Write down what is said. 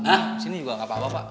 disini juga gak apa apa pak